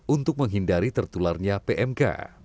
untuk menghindari tertularnya pmk